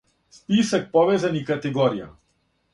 Списак повезаних категорија